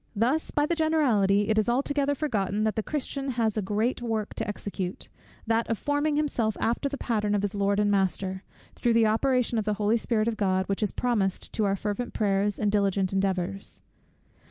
Thus, by the generality, it is altogether forgotten, that the Christian has a great work to execute; that of forming himself after the pattern of his Lord and Master, through the operation of the Holy Spirit of God, which is promised to our fervent prayers and diligent endeavours.